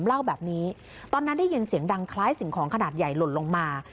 เล่าแบบนี้ตอนนั้นได้ยินเสียงดังคล้ายสิ่งของขนาดใหญ่หล่นลงมา